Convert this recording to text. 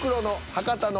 「博多の」